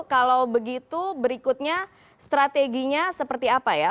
kalau begitu berikutnya strateginya seperti apa ya